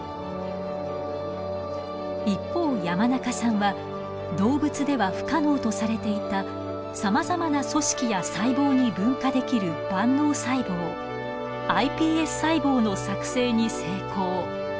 一方山中さんは動物では不可能とされていたさまざまな組織や細胞に分化できる万能細胞ｉＰＳ細胞の作製に成功。